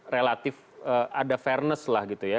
relatif ada fairness lah gitu ya